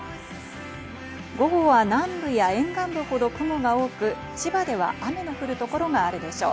午後は南部や沿岸部ほど雲が多く、千葉では雨の降る所があるでしょう。